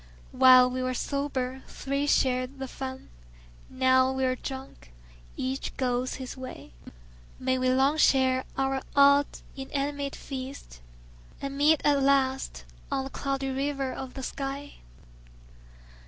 While we were sober, three shared the fun; Now we are drunk, each goes his way. May we long share our odd, inanimate feast, And meet at last on the Cloudy River of the sky.